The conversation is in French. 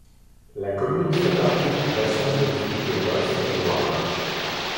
La commune fait partie du bassin de vie de Meung-sur-Loire.